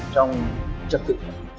trong trật tự